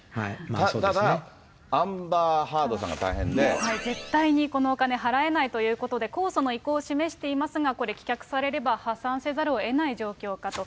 ただ、アンバー・ハードさんが大絶対に、このお金払えないということで、控訴の意向を示していますが、これ棄却されれば、破産せざるをえない状況かと。